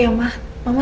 sampai dua kali